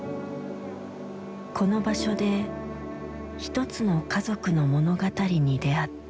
この場所で一つの家族の物語に出会った。